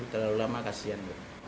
terlalu lama kasihan